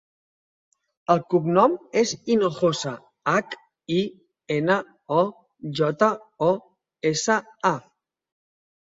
El cognom és Hinojosa: hac, i, ena, o, jota, o, essa, a.